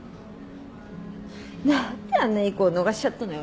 何であんないい子を逃しちゃったのよ